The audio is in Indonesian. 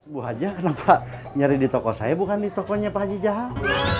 bu haja kenapa nyari di toko saya bukan di tokonya pak haji jaang